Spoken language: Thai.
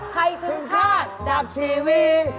ใครถึงฆ่าดาบชีวี